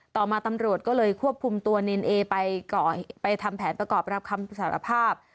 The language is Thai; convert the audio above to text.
ต่อมาตำรวจก็เลยควบคุมตัวเนรเอไปทำแผนประกอบรับคำสารภาพ